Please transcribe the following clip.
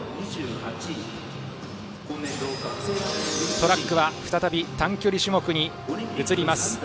トラックは再び短距離種目に移ります。